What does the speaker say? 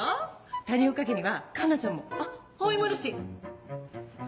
谷岡家には奏奈ちゃんもあっ蒼もいるし！